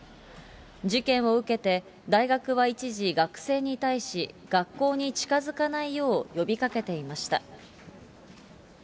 事件を受けて、大学は一時、学生に対し、学校に近づかないよう呼びかけていました。